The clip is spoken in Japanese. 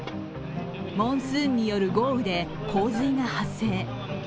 モンスーンによる豪雨で洪水が発生。